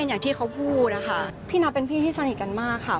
อย่างที่เขาพูดนะคะพี่นับเป็นพี่ที่สนิทกันมากค่ะ